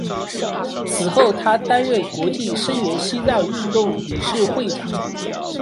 此后他担任国际声援西藏运动理事会长。